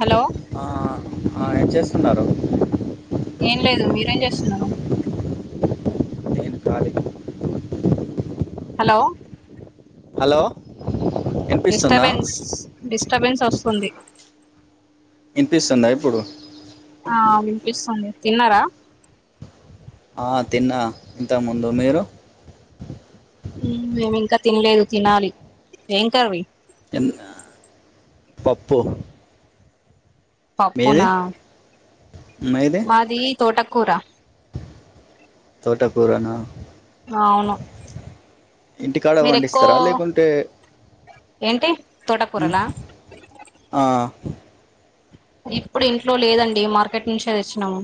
Hello ఆ ఆ ఏ చేస్తున్నారు ఏం లేదు మీరేం చేస్తున్నారు కాళీ హలో హలో వినిపిస్తుందా డిస్టబెన్స్ డిస్టబెన్స్ వస్తుంది ఇనిపిస్తుందా ఇప్పుడు విపిస్తుంది తిన్నారా ఆ తిన్నా ఇంత ముందు మీరు మేము ఇంకా తినలేదు తినాలి ఏం కర్రీ తిన్న పప్పు మీది పప్పునా మీది తోటకూరా తోట కూర నా ఆ అవును ఇంటికాడ మీరు ఎక్కువ పండిస్తారా లేకుంటే ఏంటి హు తోటకూరలా ఆ ఇప్పుడు ఇంట్లో లేదండి మార్కెట్ నుంచి తెచ్చినము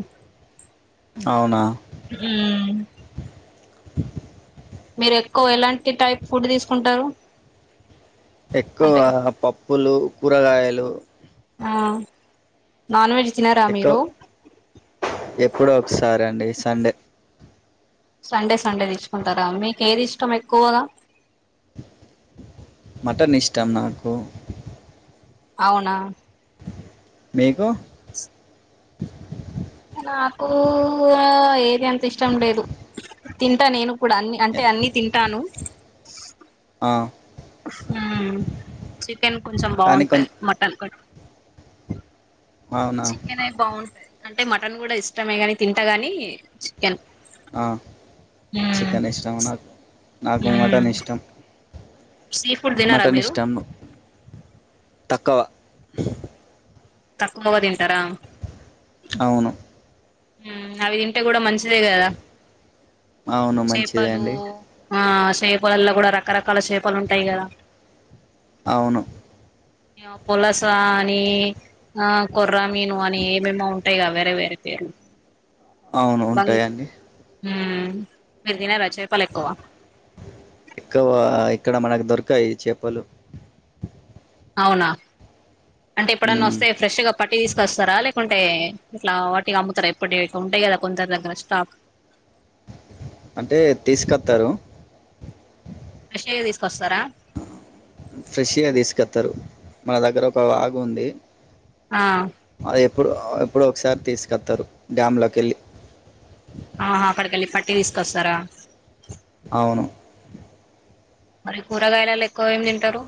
అవునా హు మ్మ్ మీరు ఎక్కువ ఎలాంటి టైప్ ఫుడ్ తీసుకుంటారు ఎక్కువ అంటే పప్పులు కూరగాయలు ఆహ నాన్ వెెజ్ తినారా మీరు ఇప్పుడొ ఒకసారి అండి సండే సండే సండే తీచ్చుకుంటారా మీకు ఏది ఇష్టం ఎక్కువగా మటన్ ఇష్టం నాకు అవునా మీకు నాకు ఏది ఎంత ఇష్టం లేదు తింటా నేను ఇప్పుడు అన్ని అంటే ఎ- అన్ని తింటాను ఆ, ఉం చికెన్ కొంచెం కానీ బాగుంటది కొంచెం మటన్ కంటే అవునా చికెన్ నే బాగుంటది అంటే మటన్ కూడా ఇష్టమే గాని తింటగాని కెన్ ఆ, ఉం చికెన్ ఇష్టం నాకు నాకు ఉం మటన్ ఇష్టం సీ ఫుడ్ తినరా మటన్ మీరు ఇష్టం తక్కువ తక్కువ తింటరా అవును ఉం అవి తింటే కూడా మంచిదే కదా అవును మంచిదే చేపలు అండి ఆ చేపలల్లో కూడా రకరకాల చేపలు ఉంటాయి కదా అవును పొలస అని ఆ కొర్రా మీను అని ఏమే ఏమే ఉంటాయి గా వేరే వేరే పేర్లు అవును ఉంటాయండి ఉం మీరు తినరా చేపలు ఎక్కువ ఎక్కువ ఇక్కడ మనకు దొరుకాయి చేపలు అవునా అంటే ఎప్పుడన్నా మ్మ్. వస్తాయా ఫ్రెష్ గా పట్టి తీసుకొస్తారా లేకుంటే ఇట్లా వాటిగా అమ్ముతారా ఎప్పటి ఉంటాయి కదా కొందరు దగ్గర స్టాక్ అంటే తీసుకత్తారు ఇటుకై [unintelligible] తీసుకొస్తారా ఫ్రెష్గా తీసుకత్తారు మన దగ్గర ఒక వాగు ఉంది ఆ అది ఎప్పుడు ఎప్పుడో ఒకసారి తీసుకొత్తారు డ్యామ్లోకి వెళ్ళి ఆహా అక్కడికి వెళ్ళి పట్టి తీసుకొస్తారా అవును మరి కూరగాయలలో ఎక్కువ ఏమి తింటారు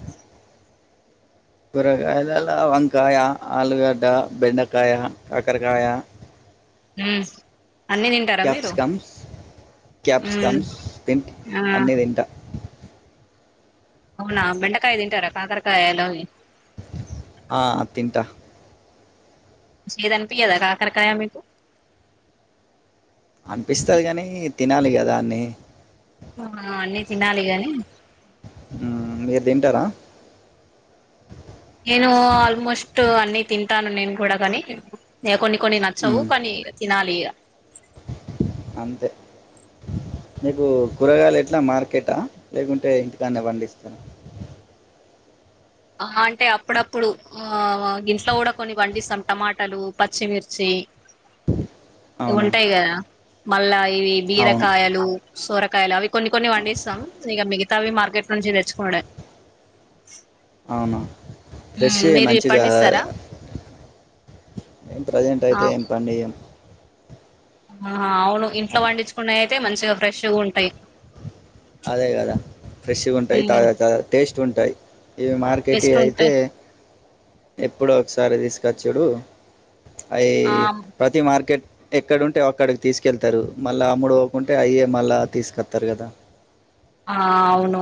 కూరగాయలలో వంకాయ ఆలుగడ్డ బెండకాయ కాకరకాయ ఉం అన్నీ తింటారా మీరు క్యాప్సికమ్స్ ఉం క్యాప్సికమ్స్ తింట ఆ అన్నీ తింటా అవునా బెండకాయ తింటారా కాకరకాయ ఎలావి [unintelligible] ఆ తింటా చేదని పియధ కాకరకాయ మీకు అనిపిస్తది కానీ తినాలి కదా అన్ని ఆ అన్నీ తినాలి గాని ఉం మీరు తింటారా నేను ఆల్మోస్ట్ అన్ని తింటాను నేను కూడా కాని నే కొన్ని కొన్ని నచ్చవు మ్మ్. కొన్ని తినాలి ఇగ అంతే మీకు కూరగాయలు ఎట్లా మార్కెటా లేకుంటే ఇంటికానే పండిస్తార ఆ అంటే అప్పుడప్పుడు ఆ ఇంట్లో కూడా కొన్ని పండిస్తాం టమాటాలు పచ్చిమిర్చి అవునా ఉంటాయి కదా మళ్ళా ఇవి అవును బీరకాయలు సోరకాయలు అవి కొన్ని కొన్ని పండిస్తాం ఇక మిగతావి మార్కెట్ నుంచి తెచ్చుకోడమే అవునా ఫ్రెష్ మీరు మంచిగా పండిస్తారా ఏం ప్రజెంట్ టయితే ఏం పండియం ఆ అవును ఆ, ఇంట్లో పండించుకున్నయితే మంచిగా ఫ్రెష్ గా ఉంటాయి అదే కదా ఫ్రెష్గా ఉంటాయి తాజా తాజా టేస్ట్గా ఉంటాయి ఇవి మార్కెట్ వేస్ట్ అయితే ఉంటాయి ఎప్పుడో ఒకసారి తీసుకొచ్చుడు అయి ఆ ప్రతి మార్కెట్ ఎక్కడంటే అక్కడికి తీసుకెళ్తారు మళ్ళా అమ్ముడు ఒకంటే అయే మళ్ళా తీసుకొత్తరు కదా ఆ అవును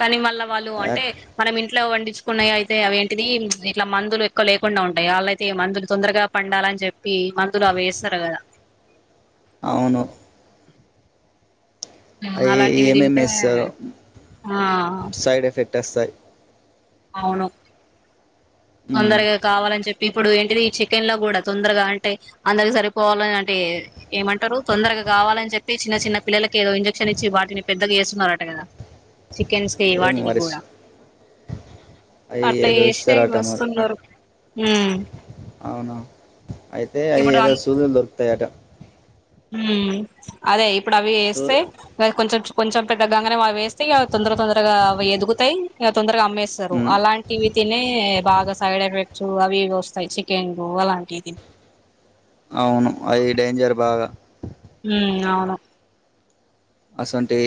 కానీ మళ్ళ వాళ్ళు ఆ, అంటే మనం ఇంట్లో వండించుకున్నాయి అయితే అవే తిరీం ఇట్లా మందులు ఎక్కువ లేకుండా ఉంటాయి వాళ్ళయితే మందులు తొందరగా పండాలని చెప్పి మందులు అవి వేస్తరు కదా అవును ఉమ్, అయి అలాంటివి ఏం ఏం తింటే ఏస్తరో ఆ సైడ్ ఎఫెక్ట్ వస్తాయి అవును ఉమ్, తొందరగా కావాలని చెప్పి ఇప్పుడు ఏంటిది చికెన్ లో కూడా తొందరగా అంటే అందరికి సరిపోవాలని అంటే ఏమంటరు తొందరగా కావాలని చెప్పి చిన్న చిన్న పిల్లలకి ఏదో ఇంజెక్షన్ ఇచ్చి వాటిని పెద్దగా చేస్తున్నారట కదా చికెన్స్కే ఏమో వాటికి మరి కూడా అవి అట్ల ఏదో చేసే ఇస్తారట వస్ మరి ఉ అవునా అయితే అవి ఏదో సూదులు దొరుకుతాయట ఊ అదే ఇప్పుడు అవి సూ వేస్తే కొంచెం కొంచెం పెద్దగానే అవి వేస్తే ఇ తొందర తొందరగా అవి ఎదుగుతాయి తొందరగా అమ్మేస్తారు ఉమ్, అలాంటివి తినే బాగా సైడ్ ఎఫెక్ట్స్ అవి వస్తాయి చికెన్ అలాంటిది అవును అవి డేంజర్ బాగా ఉ అవును అసంటి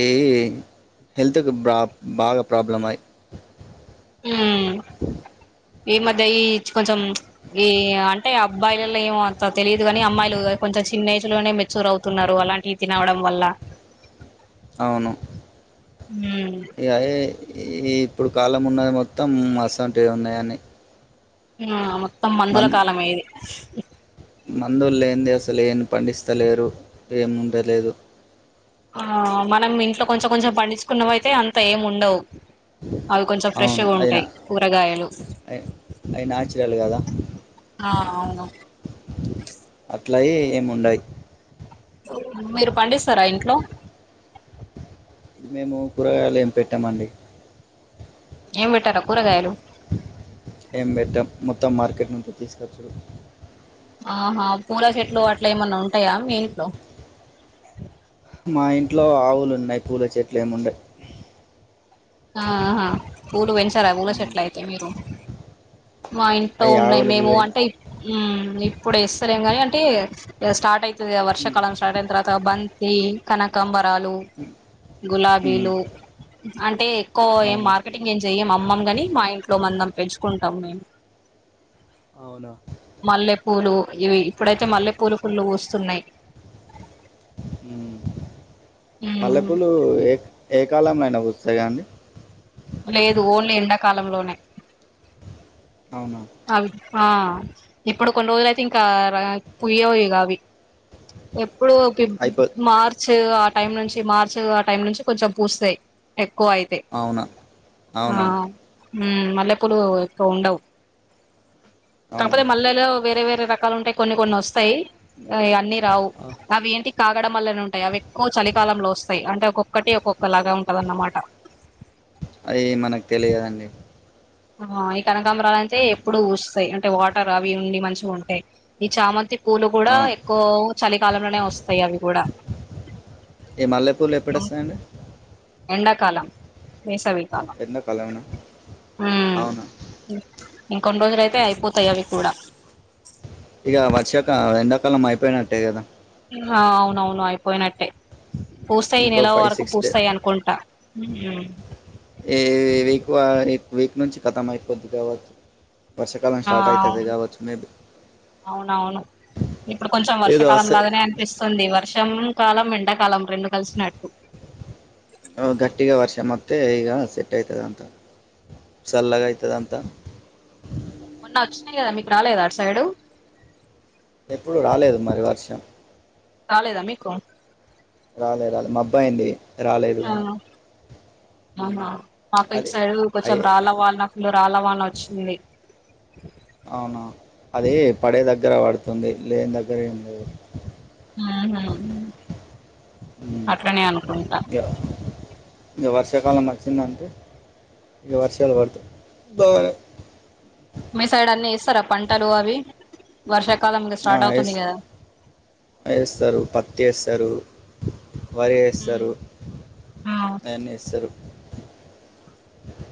హెల్త్కి బా బాగా ప్రాబ్లం అయి హ్మ్ ఈ మధ్య ఈ కొంచెం ఈ అంటే అబ్బాయిలలో ఏో అంత తెలీయదు కాని అమ్మాయిలు కొంచెం చిన్న ఏజ్ లోనే మెచ్యూర్ అవుతున్నారు అలాంటి ఇట్లవడం వల్ల అవును హ్మ్ ఇ ఈ ఇప్పుడు కాలం ఉన్నది మొ మొత్తం అసంట్వి ఉన్నాయని ఆ మొత్తం మందుల కాలమేది మందులేంది అసలు ఏం పండిస్తలేరు ఏముండలేదు ఆ మనం ఇంట్లో కొంచెం కొంచెం పండించుకున్నా అయితే అంత ఏం ఉండవు అవి కొంచెం అవును ఫ్రెష్గా అయినా ఉంటాయి కూరగాయలు మేలు కదా ఆ అవును అట్లయి ఏముండయి మీరు పండిస్తారా ఇంట్లో ఇది మేము కూరగాయలు ఏం పెట్టామండి ఏం పెట్టారా కూరగాయలు ఏం పెట్టాం మొత్తం మార్కెట్ నుంచి తీసుకొచ్చు ఆహా పూల చెట్లు అట్లా ఏమన్నా ఉంటాయా మీ ఇంట్లో మా ఇంట్లో ఆవులు ఉన్నాయి పూల చెట్లు ఏముండయి ఆహా పూలు పెంచాల పూల ఉమ్, చెట్లు అయితే మీరు మా ఇంట్లో అవి ఉన్నాయి ఆవులు మేము గీవులు అంటే ఉ ఇప్పుడు ఇస్తలేేం కాని అంటే స్టార్ట్ అయితది వర్ష ఉమ్, కాలం స్టార్ట్ అయితది అ బంతి కనకంబర్ ఉమ్, గులాబీలు అంటే ఎక్కువ ఏం అవును మార్కెటింగ్ ఏం చెయ్యం అమ్మంగాని మా ఇంట్లో మనం పెంచుకుంటాం మేము అవునా మల్లెపూలు ఇవి ఇప్పుడైతే మల్లెపూలు ఫుల్లు వస్తున్నాయి మల్లె మ్మ్ పూలు ఏ ఏ కాలం డబ్బులు వస్తాయా అండి లేదు ఓన్లీ ఎండాకాలంలోనే అవునా అవి ఆ ఇప్పుడు కొన్ని రోజులు అయితే ఇంకా రా పుయ్యవు అవి ఎప్పుడు కి అయిపో మార్చ్ ఆ టైం నుంచి మార్చ్ అ టైం నుంచి కొంచెం పూస్తాయి ఎక్కువ అయితే అవునా ఆ అవునా మల్లె పూలు ఎక్కువుండవు. అవునా కాకపోతే మళ్లెలో వేరే వేరే రకాలుంటాయ్, కొన్ని కొన్ని వస్తాయ్. అవన్నీ రావు ఆ, కాగడం మల్లెలుంటాయి, అవి ఎక్కువ చలికాలంలో వస్తాయి. అంటే ఒక్కొక్కటి ఒక్కొక్కలాగా ఉంటదన్నమాట. అయి మనకి తెలియదండి ఆ ఈ కనకాంబరాలయితే ఎప్పుడు ఊస్తాయి, అంటే వాటర్ అవి ఉండి మంచిగా ఉంటే ఈ చామంతి పూలు కూడా ఆ, ఎక్కువ చలికాలంలోనే వస్తాయవి కూడా ఈ మల్లెపూర్లు ఎప్పుడు వస్తాయంండి ఎండాకాలం వేసవి ఎట్నాకాలవునా అవునా ఇంకొన్ని రోజులయితే అయిపోతాయవి కూడా. ఇక వర్షాక ఎండాకాలం అయిపోయినట్టే కదా హా అవునవును అయిపోయినట్టే పూస్తాయి ఈ ఇంకో నెల ఫైవ్ వరకు సిక్స్ డే పూస్తాయనుకుంటా హ్మ్మ్! ఎక్కువ వీక్ నుంచి కథం అయిపోద్ది కావచ్చు పకాలం ఆ స్టార్ట్ అవుతుంది కావచ్చు మే అవునవును ఇప్పుడు కొంచెం ఏదో వర్షాకాలం వస్తే లాగానే అనిపిస్తుంది. వర్షం కాలం ఎండాకాలం రెండు కలిసినట్టు ఓ గట్టిగా వర్ష మ అ ఈగ సెట్ అవుతుద అంత సల్గావుతుద అంత మొన్న వచ్చినాయి గదా మీకు రాలేదా అటు సైడు? ఎప్పుడు రాలేదు మరి వర్షం రాలేదా మీకు రాలేదు రాలేదు మా అబ్బాయిడి రాలేదు కాగానీ అవునా మాకిటు సైడు కొంచెం అయ్యే రాల వాల నాకులు రాల వాల వచ్చింది. అవునా అది పడే దగ్గర పడుతుంది లేని దగ్గర ఏంది లే ఆహా ఉమ్. అట్లనే అనుకుంటా. ఎ వర్సేకాలం వచ్చిందంటే ఈ వర్షల్ వర్త్ మీ సైడ్ అన్ని ఏస్తరా పంటలు అవి వర్ష వే వేస్తారు పత్తి వేస్తారు వారే వేస్తారు ఆ దయన్ని వేస్తారు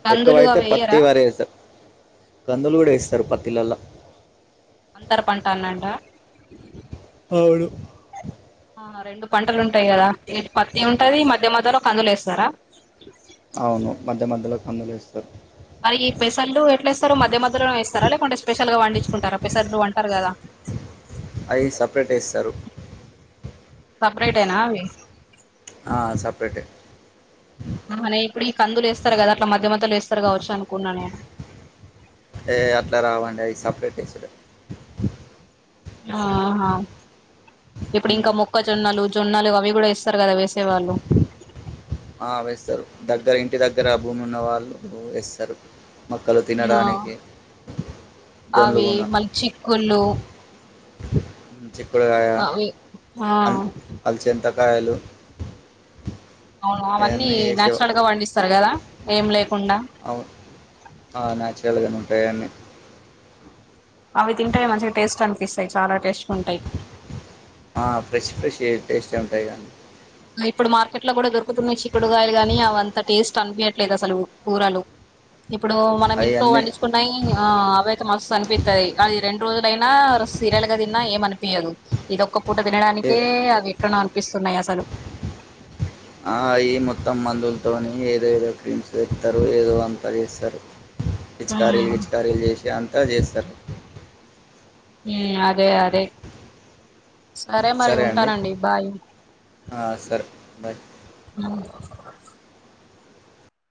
కందులు ఎక్కువైతే అవి పత్తి ఎయ్యరా వర వేస్తారు కందులు కూడా వేస్తారు పత్తిలలో అంతర పంటన్నడా అవును రెండు పంటలు ఉంటాయి కందులేస్తారా అందలేస్తారు మరి పెసళ్ళు ఎట్లేస్తారు మధ్య మధ్యలోనే వేస్తారా, లేకుంటే స్పెషల్ గా పండించుకుంటారా, పెసళ్ళూ అంటారు గదా అవి సపరేట్ వేస్తారు సెపరేటేనా అవి సపరేటే అహా ఇప్పుడు ఈ కందులేస్తారు కదా అట్లా మధ్య మధ్యలో వస్తరు కావచ్చనుకున్నాను ఏ అట్లా రావండి అది సపరేట్ టేస్ ఆహా ఇప్పుడు ఇంకా ఉమ్, మొక్కజొన్నలు జున్నలు అవి గూడా ఏస్తరు కదా వేసే వాళ్ళు. ఆ వేస్తారు దగ్గర ఇంటి దగ్గర భూమి ఉన్న వాళ్ళు వేస్తారు మొక్కలు ఆ తినడానికి అవి జంలుగున్న మళ్ళీ చిక్కుళ్ళు చకుడుగా అవి ఆ అల్చ కాయలు అవును అవన్నీ నచురల్ గా పండిస్తారు కదా ఏం లేకుండా అవు- ఆ నాచురల్ గానే ఉంటాయి అన్నీ అవి తింటాయి మంచిగా టేస్ట్ అనిపిస్తాయి చాలా టేస్ట్ ఉంటాయి ఆ ఫ్రెష్ ఫ్రెష్ టేస్ట్ ఉంటాయి కానీ ఇప్పుడు మార్కెట్ లో కూడా దొరుకుతున్నాయి చిక్కుడుగాయలు కాని అవంత టేస్ట్ అనిపించట్లేదు అసలు కూరలు ఇప్పుడు మనం ఇంట్లో అవన్నీ వండించుకున్నా ఆ అవేతే మస్తు అనిపిస్తుది అది రెండు రోజులైనా సీరియల్ గా తిన్నా ఏమనిపయదు ఇద ఒక్క పూట తినడానికే అవి ఎక్కడనో అనిపిస్తున్నాయి అసలు ఆ అయి మొత్తం మందులతోని ఏదో ఏదో క్రీమ్స్ పెడతరు ఏదో అంతా చేస్తారు పిచకారీలు ఉమ్ విచకారీలు చేసి అంతా చేస్తరు ఉ అదే అదే సరే మరి ఉంటానండి బాయ్ ఆ, సరే బాయ్